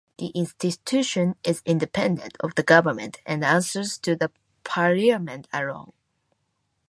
The institution is independent of the government and answers to the Parliament alone.